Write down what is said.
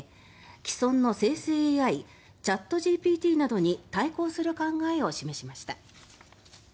既存の生成ＡＩチャットＧＰＴなどに対抗する考えを示しました。